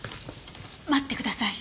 待ってください。